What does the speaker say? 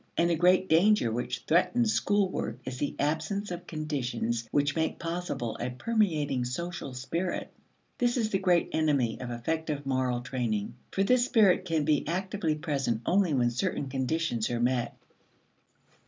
And the great danger which threatens school work is the absence of conditions which make possible a permeating social spirit; this is the great enemy of effective moral training. For this spirit can be actively present only when certain conditions are met.